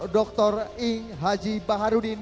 dr ing haji baharudin